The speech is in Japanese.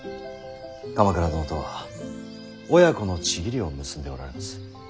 鎌倉殿とは親子の契りを結んでおられます。